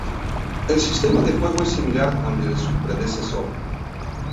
El sistema de juego es similar al de su predecesor.